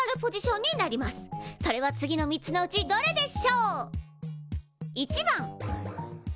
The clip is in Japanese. それは次の３つのうちどれでしょう？